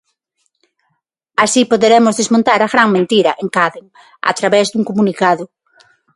Así poderemos desmontar a 'gran mentira', engaden, a través dun comunicado.